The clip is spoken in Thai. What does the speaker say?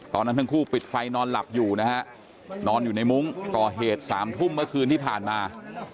ตอนนั้นทั้งคู่ปิดไฟนอนหลับอยู่นะฮะนอนอยู่ในมุ้งก่อเหตุ๓ทุ่มเมื่อคืนที่ผ่านมา